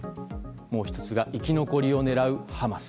もう１つが生き残りを狙うハマス。